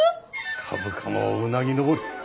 株価もうなぎ登り。